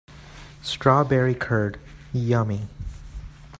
Strawberry curd, yummy!